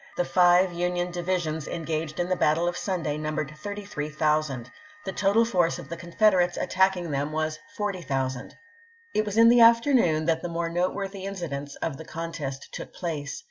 The five Union divisions engaged in the battle of Sunday numbered 33,000.^ The total force of the Con federates attacking them was 40,000. It was in the afternoon that the more noteworthy incidents of the contest took place.